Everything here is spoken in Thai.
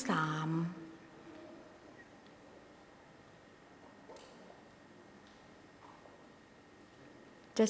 หมายเลข๖๒